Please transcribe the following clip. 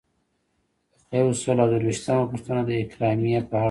یو سل او درویشتمه پوښتنه د اکرامیې په اړه ده.